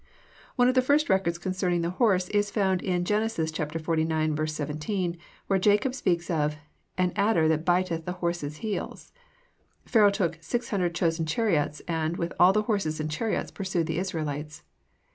THE FAMILY PET] One of the first records concerning the horse is found in Genesis xlix, 17, where Jacob speaks of "an adder that biteth the horse heels." Pharaoh took "six hundred chosen chariots" and "with all the horses and chariots" pursued the Israelites.